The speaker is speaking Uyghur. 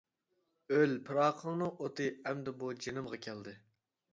ئۆل پىراقىڭنىڭ ئوتى ئەمدى بۇ جېنىمغا كەلدى.